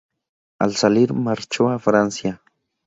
Al salir, marchó a Francia.